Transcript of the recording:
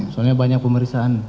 soalnya banyak pemeriksaan